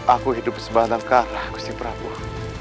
aku hidup sebanyak karna kusti prabowo